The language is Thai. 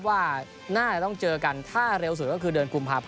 ว่าน่าจะต้องเจอกันเท่าเร็วสุดก็คือ